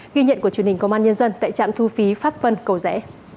ghi nhận của truyền hình công an nhân dân tại trạm thu phí pháp vân cầu rẽ